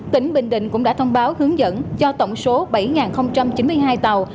tỉnh bình định cũng đã thông báo hướng dẫn cho tổng số bảy chín mươi hai tàu